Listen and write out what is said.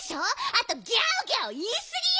あとギャオギャオいいすぎよ！